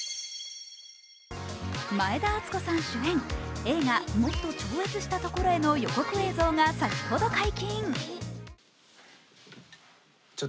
前田敦子さん主演映画「もっと超越した所へ」の予告映像が先ほど解禁。